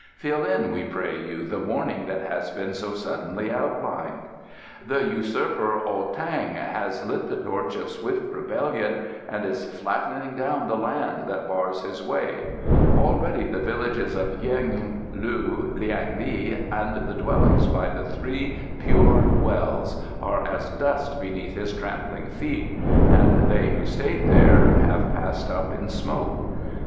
Fill in, we pray you, the warning that has been so suddenly outlined." "The usurper Ah tang has lit the torch of swift rebellion and is flattening down the land that bars his way. Already the villages of Yeng, Leu, Liang li and the Dwellings by the Three Pure Wells are as dust beneath his trampling feet, and they who stayed there have passed up in smoke.